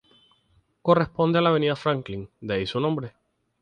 Corresponde a la Avenida Franklin, de ahí su nombre.